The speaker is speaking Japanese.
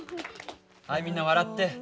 はいみんな笑って。